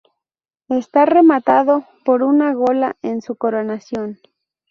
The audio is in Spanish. Está rematado por una "gola" en su coronación.